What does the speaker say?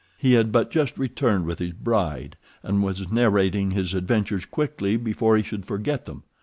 He had but just returned with his bride, and was narrating his adventures quickly before he should forget them.